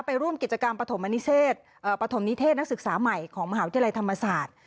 ร่วมกิจกรรมปฐมปฐมนิเทศนักศึกษาใหม่ของมหาวิทยาลัยธรรมศาสตร์